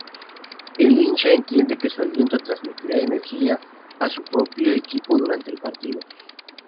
El hincha entiende que su aliento transmitirá energía a su equipo durante el partido.